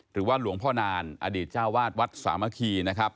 หรือว่าหลวงพ่อนานอดีตเจ้าวาดวัดสามัคคีนะครับ